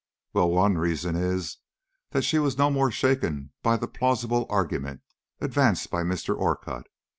"Well, one reason is, that she was no more shaken by the plausible argument advanced by Mr. Orcutt.